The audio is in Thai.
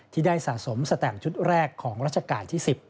ที่ได้สะสมสแตมชุดแรกของรัชกาลที่๑๐